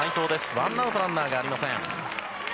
ワンアウトランナーがありません。